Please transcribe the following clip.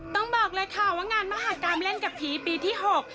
ต้องบอกเลยค่ะว่างานมหากรรมเล่นกับผีปีที่หก